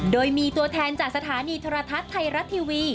โดยมีตัวแทนจากสถานีโทรทัศน์ไทยรัฐทีวี